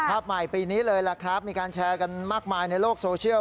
ภาพใหม่ปีนี้เลยล่ะครับมีการแชร์กันมากมายในโลกโซเชียล